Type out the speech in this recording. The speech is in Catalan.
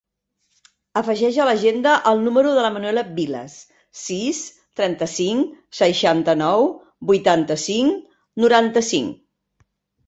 Afegeix a l'agenda el número de la Manuela Vilas: sis, trenta-cinc, seixanta-nou, vuitanta-cinc, noranta-cinc.